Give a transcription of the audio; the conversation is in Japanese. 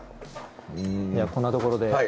ではこんなところで。